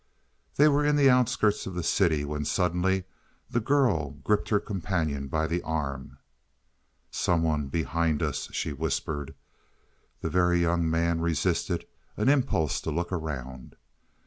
They were in the outskirts of the city, when suddenly the girl gripped her companion by the arm. "Some one behind us," she whispered. The Very Young Man resisted an impulse to look around.